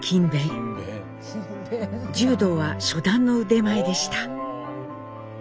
柔道は「初段」の腕前でした。